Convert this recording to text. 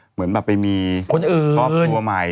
เหมือนกลับไปมีก็อบตัวใหม่